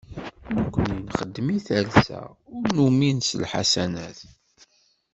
Nekni nxeddem i talsa, ur numin s lḥasanat.